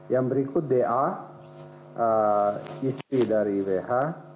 yang berikut da istri dari wh